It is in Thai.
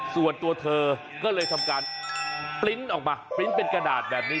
ส่วนตัวเธอก็เลยทำการปริ้นต์ออกมาปริ้นต์เป็นกระดาษแบบนี้